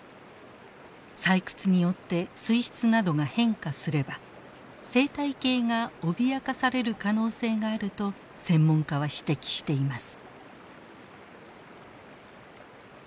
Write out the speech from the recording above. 採掘によって水質などが変化すれば生態系が脅かされる可能性があると専門家は指摘しています。